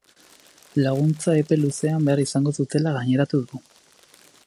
Laguntza epe luzean behar izango dutela gaineratu du.